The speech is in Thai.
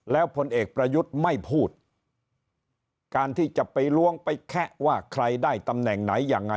แล้วพลเอกประยุทธ์ไม่พูดการที่จะไปล้วงไปแคะว่าใครได้ตำแหน่งไหนยังไง